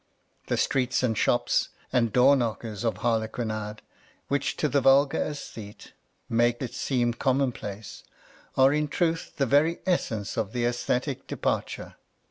The streets and shops and door knockers of the harlequinade, which to the vulgar aes thete make it seem commonplace, are in truth the very essence of the aesthetic departure.